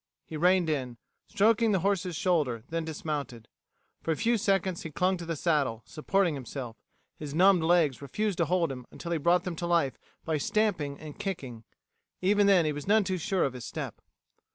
He reined in, stroking the horse's shoulder; then dismounted. For a few seconds he clung to the saddle, supporting himself; his numbed legs refused to hold him until he brought them to life by stamping and kicking. Even then he was none too sure of his step.